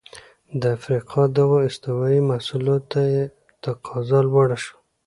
د افریقا دغو استوايي محصولاتو ته تقاضا لوړه شوه.